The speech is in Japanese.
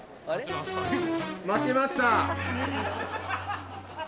負けました。